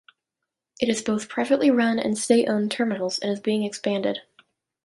It has both privately run and state owned terminals and is being expanded.